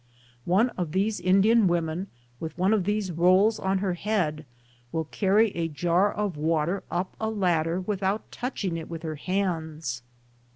One of these Indian women, with one of these rolls on her head, will carry a jar of water up a ladder without touching it with her hands.